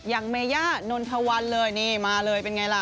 เมย่านนทวันเลยนี่มาเลยเป็นไงล่ะ